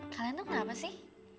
kalian tuh kenapa sih